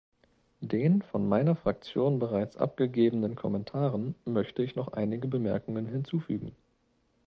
Den von meiner Fraktion bereits abgegebenen Kommentaren möchte ich noch einige Bemerkungen hinzufügen.